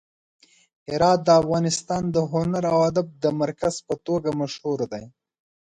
هرات د افغانستان د هنر او ادب د مرکز په توګه مشهور دی.